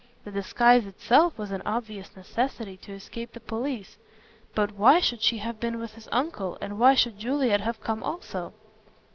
The disguise itself was an obvious necessity to escape the police. But why should she have been with his uncle and why should Juliet have come also?